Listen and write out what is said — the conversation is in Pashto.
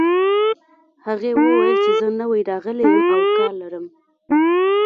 هغې وویل چې زه نوی راغلې یم او کار لرم